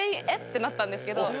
てなったんですけど。